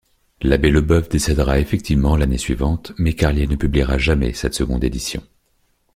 L'abbé Lebeuf décédera effectivement l'année suivante, mais Carlier ne publiera jamais cette seconde édition.